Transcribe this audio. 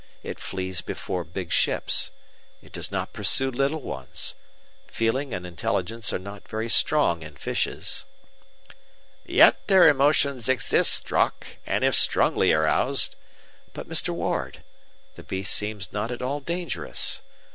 It flees before big ships. It does not pursue little ones. Feeling and intelligence are not very strong in fishes." "Yet their emotions exist, Strock, and if strongly aroused—" "But, Mr. Ward, the beast seems not at all dangerous.